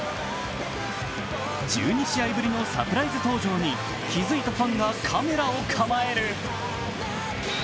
１２試合ぶりのサプライズ登場に気づいたファンがカメラを構える。